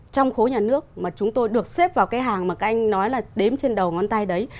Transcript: trong khối nhà nước mà chúng tôi được xếp vào cái hàng mà các anh nói là đếm trên đầu ngón tay đấy